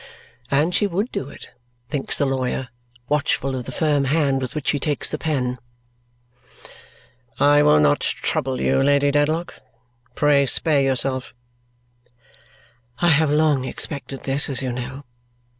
And she would do it, thinks the lawyer, watchful of the firm hand with which she takes the pen! "I will not trouble you, Lady Dedlock. Pray spare yourself." "I have long expected this, as you know.